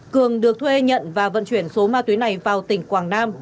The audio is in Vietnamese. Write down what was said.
cường được thuê nhận và vận chuyển số ma túy này vào tỉnh quảng nam